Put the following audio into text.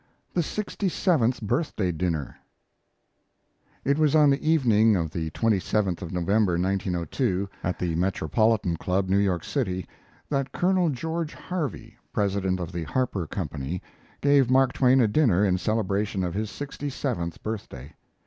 THE SIXTY SEVENTH BIRTHDAY DINNER It was on the evening of the 27th of November, 1902, I at the Metropolitan Club, New York City, that Col. George Harvey, president of the Harper Company, gave Mark Twain a dinner in celebration of his sixty seventh birthday.